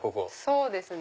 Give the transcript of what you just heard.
そうですね。